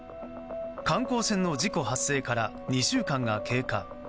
観光船の事故発生から２週間が経過。